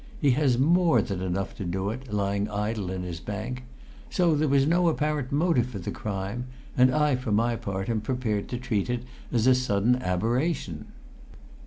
He has more than enough to do it, lying idle in his bank; so there was no apparent motive for the crime, and I for my part am prepared to treat it as a sudden aberration."